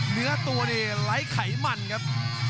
เนื้อตัวนี่ไร้ไขมันครับ